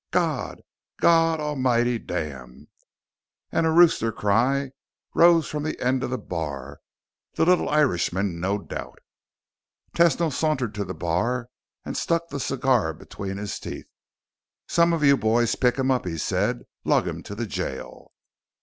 "God! God almighty damn!" And a rooster cry rose from the end of the bar the little Irishman, no doubt. Tesno sauntered to the bar and stuck the cigar between his teeth. "Some of you boys pick him up," he said. "Lug him to the jail."